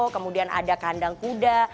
kemudian ada kandang kuda